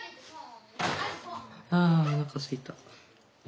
あおなかすいた。